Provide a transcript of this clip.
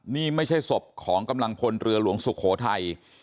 นี่ไม่ใช่ศพของกำลังพลเรือหลวงสุโขทัย